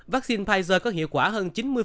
vaccine pfizer có hiệu quả hơn chín mươi